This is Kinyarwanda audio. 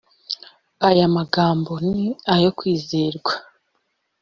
aya amagambo ni ayo kwizerwa